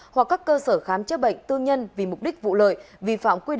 hoặc các cơ sở khám chế bệnh tư nhân vì mục đích vụ lợi